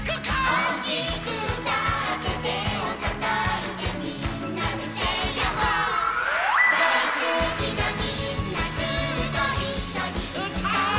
「おおきくうたっててをたたいてみんなでセイやっほー☆」やっほー☆「だいすきなみんなずっといっしょにうたおう」